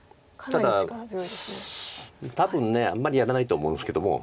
ただ多分あんまりやらないと思うんですけども。